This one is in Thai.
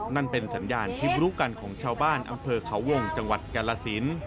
นั่นเป็นสัญญาณที่รู้กันของชาวบ้านอำเภอเขาวงจังหวัดกาลสิน